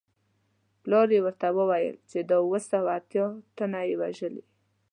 پلار یې ورته وویل چې اووه سوه اتیا تنه یې وژلي.